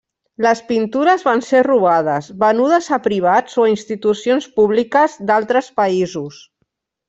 Les pintures van ser robades, venudes a privats o a institucions públiques d'altres països.